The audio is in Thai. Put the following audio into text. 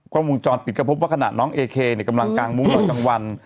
กว้างวงจรปิดกระพบว่าขณะน้องเอกเนี่ยกำลังกางมุมหน่อยกลางวัน